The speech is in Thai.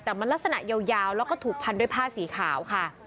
แต่มันลักษณะยาวแล้วก็ถูกพันด้วยผ้าสีขาวค่ะ